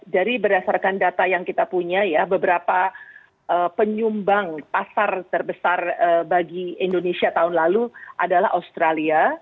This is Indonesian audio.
dari berdasarkan data yang kita punya ya beberapa penyumbang pasar terbesar bagi indonesia tahun lalu adalah australia